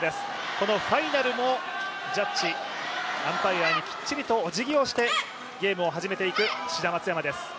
このファイナルもジャッジ、アンパイヤにきっちりとおじぎをしてゲームを初めていく志田・松山です